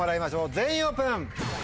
全員オープン！